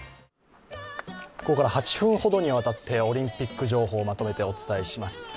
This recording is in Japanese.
ここから８分ほどにわたってオリンピック情報をまとめてお伝えします。